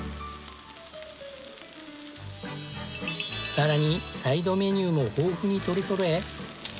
さらにサイドメニューも豊富に取りそろえ。